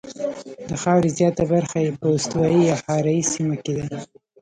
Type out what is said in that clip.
د خاورې زیاته برخه یې په استوایي یا حاره یې سیمه کې ده.